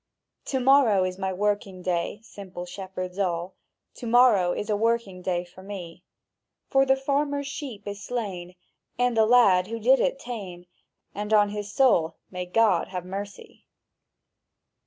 To morrow is my working day, Simple shepherds all— To morrow is a working day for me: For the farmer's sheep is slain, and the lad who did it ta'en, And on his soul may God ha' mer cy!